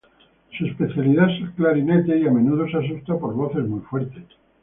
Su especialidad es el clarinete y a menudo se asusta por voces muy fuertes.